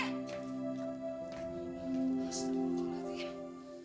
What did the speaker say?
masih tuh mampus hati